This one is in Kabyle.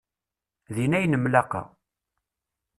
Din ay nemlaqa.